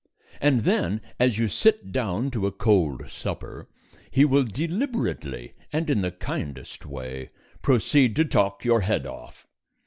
And then, as you sit down to a cold supper, he will, deliberately and in the kindest way, proceed to talk your head off.